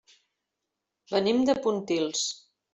Venim de Pontils.